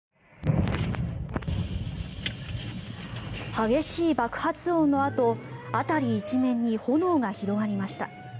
激しい爆発音のあと辺り一面に炎が広がりました。